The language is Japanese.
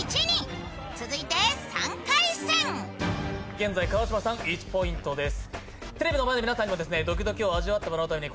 現在、川島さん、１ポイントです。